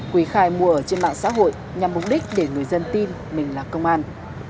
quý khai mua trên mạng xã hội nhằm mục đích để người dân tin mình là công an